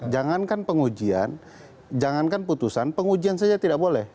jangankan pengujian jangankan putusan pengujian saja tidak boleh